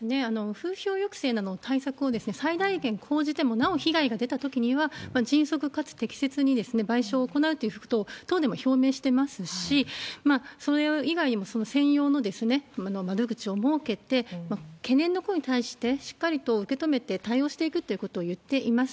風評抑制などの対策を最大限講じてもなお被害が出たときには、迅速かつ適切に賠償を行うということを東電も表明していますし、それ以外にも、それ専用の窓口を設けて、懸念の声に対してしっかりと受け止めて対応していくってことを言ってます。